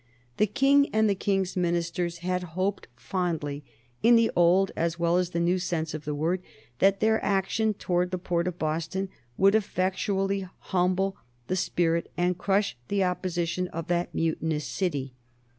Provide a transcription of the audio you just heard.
The King and the King's ministers had hoped fondly, in the old as well as the new sense of the word, that their action towards the port of Boston would effectually humble the spirit and crush the opposition of that mutinous city.